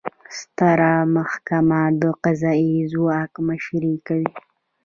ستره محکمه د قضایي ځواک مشري کوي